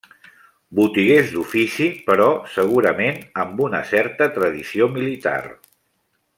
Botiguers d'ofici, però segurament amb una certa tradició militar.